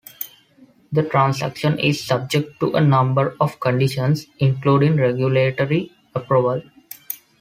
The transaction is subject to a number of conditions, including regulatory approval.